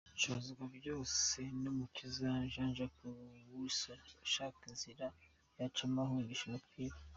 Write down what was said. Nshobozwabyosenumukiza Jean Jacques Wilson ashaka inzira yacamo ahungisha umupira.